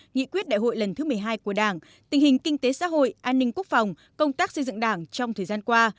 nghị quyết đại hội lần thứ một mươi hai của đảng tình hình kinh tế xã hội an ninh quốc phòng công tác xây dựng đảng trong thời gian qua